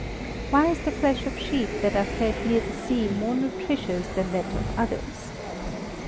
_Why is the flesh of sheep that are fed near the sea more nutritious than that of others?